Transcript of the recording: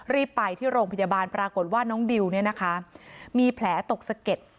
รีบไปที่โรงพยาบาลปรากฏว่าน้องดิวเนี่ยนะคะมีแผลตกสะเก็ด